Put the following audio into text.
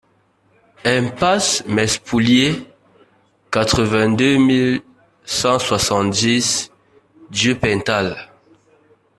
Impasse Mespoulié, quatre-vingt-deux mille cent soixante-dix Dieupentale